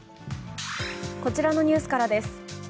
こちらのニュースからです。